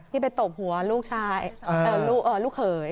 ที่ไปตบหัวลูกเผย